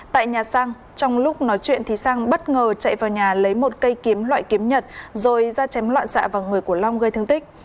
tại nhà sang trong lúc nói chuyện thì sang bất ngờ chạy vào nhà lấy một cây kiếm loại kiếm nhật rồi ra chém loạn xạ vào người của long gây thương tích